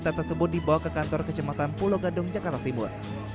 karena ada laporan dari masyarakat yaitu salah satunya